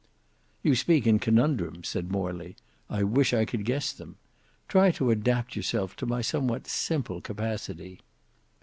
"You speak in conundrums," said Morley; "I wish I could guess them. Try to adapt yourself to my somewhat simple capacity."